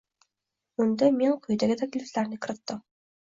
Unda men quyidagi takliflarni kiritdim: